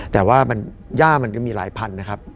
แต่ว่าย่ามันก็มีหลายพันนะครับ